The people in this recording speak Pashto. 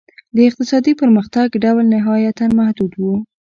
د اقتصادي پرمختګ ډول نهایتاً محدود و.